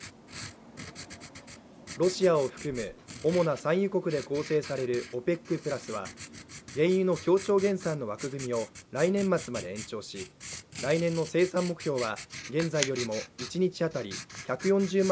ロシアを含む主な産油国で構成されるＯＰＥＣプラスは原油の協調減産の枠組みを来年末まで延長し来年の生産目標は現在よりも一日当たり１４０万